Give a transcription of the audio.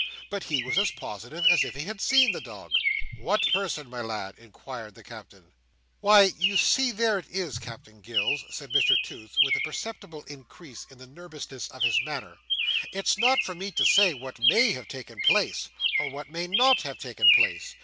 But he was as positive as if he had seen the dog." "What person, my lad?" inquired the Captain. "Why, you see there it is, Captain Gills," said Mr Toots, with a perceptible increase in the nervousness of his manner. "It's not for me to say what may have taken place, or what may not have taken place.